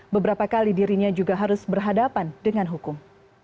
beberapa kali dirinya juga harus berhadapan dengan hukum